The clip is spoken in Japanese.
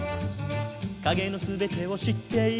「影の全てを知っている」